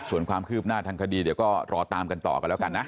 ส่วนความคืบหน้าทางคดีเดี๋ยวก็รอตามกันต่อกันแล้วกันนะ